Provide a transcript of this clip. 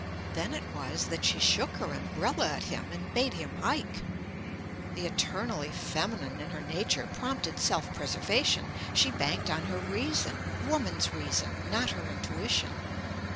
Then it was that she shook her umbrella at him and bade him hike. The eternally feminine in her nature prompted self preservation. She banked on her reason—woman's reason—not her intuition.